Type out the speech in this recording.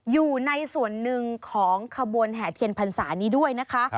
อยู่ในส่วนหนึ่งของขบวนแห่เทียนพรรษานี้ด้วยนะคะ